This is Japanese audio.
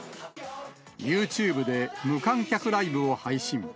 ユーチューブで無観客ライブを配信。